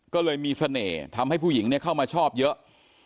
ก็เลยมีเสน่ห์ทำให้ผู้หญิงเข้ามาชอบเยอะ